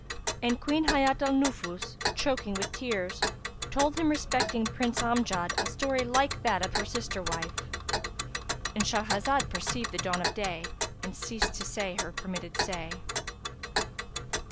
And Queen Hayat al Nufus, choking with tears, told him respecting Prince Amjad a story like that of her sister wife.—And Shahrazad perceived the dawn of day and ceased to say her permitted say.